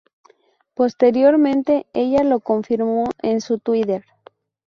Posteriormente ella lo confirmó en su Twitter.